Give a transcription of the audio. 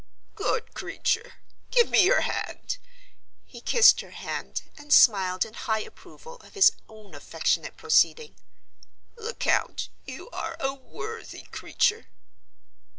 "Good creature! Give me your hand." He kissed her hand, and smiled in high approval of his own affectionate proceeding. "Lecount, you are a worthy creature!"